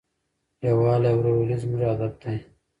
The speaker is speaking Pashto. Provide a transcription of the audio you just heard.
یووالی او ورورولي زموږ هدف دی.